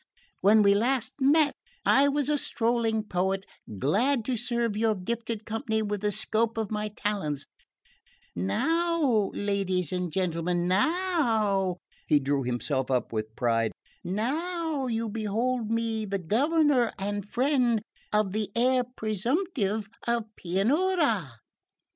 When we last met I was a strolling poet, glad to serve your gifted company within the scope of my talents now, ladies and gentlemen, now" he drew himself up with pride "now you behold in me the governor and friend of the heir presumptive of Pianura."